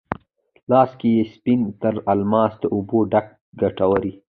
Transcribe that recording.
لاس کې یې سپین تر الماس، د اوبو ډک کټوری،